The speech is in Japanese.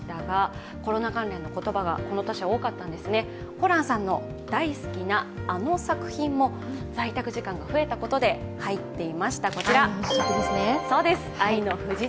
ホランさんの大好きなあの作品も、在宅時間が増えたことで入っていました。